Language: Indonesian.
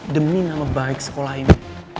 demi nama baik sekolah ini